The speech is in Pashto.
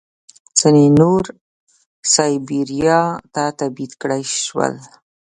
ځینې نور سایبیریا ته تبعید کړای شول